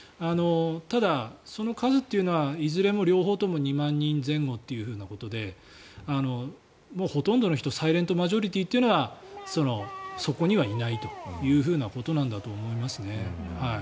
ただ、その数というのはいずれも両方とも２万人前後ということでもうほとんどの人サイレント・マジョリティーというのはそこにはいないということなんだと思いますね。